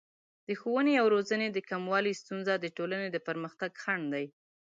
د ښوونې او روزنې د کموالي ستونزه د ټولنې د پرمختګ خنډ دی.